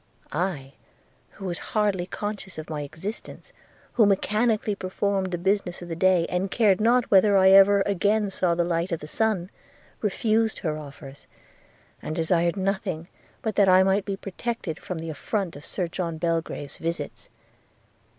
I, who was hardly conscious of my existence, who mechanically performed the business of the day, and cared not whether I ever again saw the light of the sun, refused her offers, and desired nothing but that I might be protected from the affront of Sir John Belgrave's visits.